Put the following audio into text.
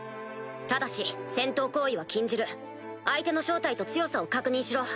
ただし戦闘行為は禁じる相手の正体と強さを確認しろ。